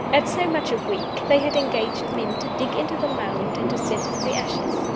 At so much a week, they had engaged men to dig into the mound and to sift the ashes.